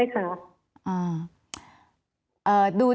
ใช่ค่ะ